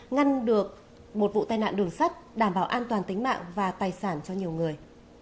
ngăn được một vụ tai nạn đường sắt đảm bảo an toàn tính mạng và tài sản cho nhiều người